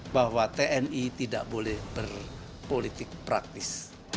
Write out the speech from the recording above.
bahwa tni tidak boleh berpolitik praktis